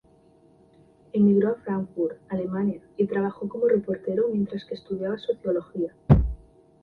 Emigró a Frankfurt, Alemania y trabajó como reportero mientras que estudiaba sociología.